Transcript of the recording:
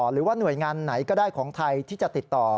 หรือว่าหน่วยงานไหนก็ได้ของไทยที่จะติดต่อ